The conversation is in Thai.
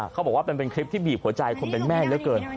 เขาบอกว่ามันเป็นคลิปที่บีบหัวใจคนเป็นแม่เหลือเกิน